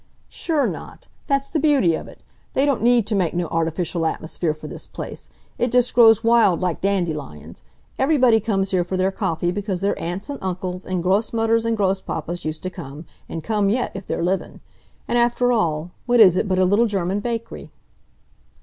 "Sure not; that's the beauty of it. They don't need to make no artificial atmosphere for this place; it just grows wild, like dandelions. Everybody comes here for their coffee because their aunts an' uncles and Grossmutters and Grosspapas used t' come, and come yet, if they're livin'! An', after all, what is it but a little German bakery?"